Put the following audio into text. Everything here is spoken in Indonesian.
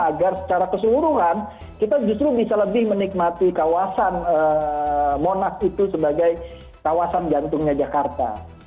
agar secara keseluruhan kita justru bisa lebih menikmati kawasan monas itu sebagai kawasan jantungnya jakarta